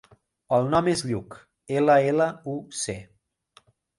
El nom és Lluc: ela, ela, u, ce.